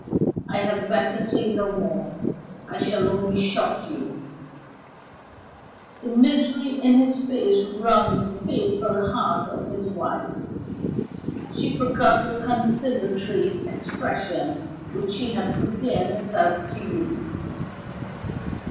"I had better say no more, I shall only shock you." The misery in his face wrung the faithful heart of his wife. She forgot the conciliatory expressions which she had prepared herself to use.